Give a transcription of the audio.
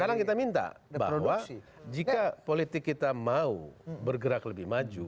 sekarang kita minta bahwa jika politik kita mau bergerak lebih maju